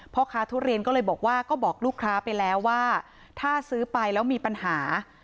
พ่อค้าทุเรียนก็เลยบอกว่าก็บอกลูกค้าไปแล้วว่าถ้าซื้อไปแล้วมีปัญหา